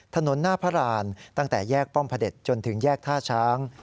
ถนนหน้าพระราณตั้งแต่แยกป้อมพระเด็จจนถึงแยกท่าช้าง